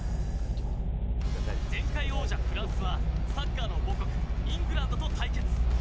前回王者フランスはサッカーの母国イングランドと対決。